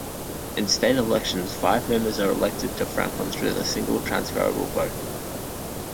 In state elections, five members are elected to Franklin through the single transferable vote.